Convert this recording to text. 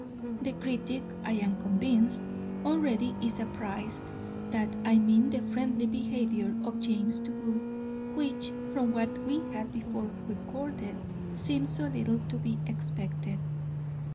The critic, I am convinced, already is apprized that I mean the friendly behaviour of James to Booth, which, from what we had before recorded, seemed so little to be expected.